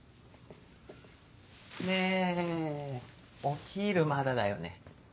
ねお昼まだだよね？